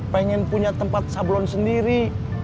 pengen punya tempat sablon sendiri